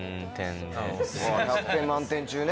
１００点満点中ね。